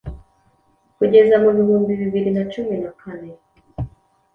Kugeza mu bihumbi bibiri na cumi na kane